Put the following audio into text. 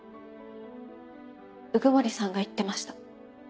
鵜久森さんが言ってました。